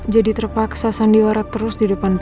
jadi terpaksa sandiwara terus di depan papa